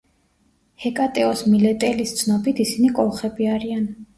ჰეკატეოს მილეტელის ცნობით ისინი კოლხები არიან.